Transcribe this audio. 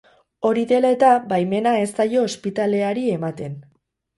Hori dela eta, baimena ez zaio ospitaleari ematen.